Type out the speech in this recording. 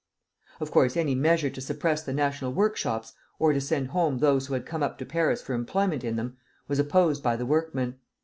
Of course any measure to suppress the national workshops, or to send home those who had come up to Paris for employment in them, was opposed by the workmen.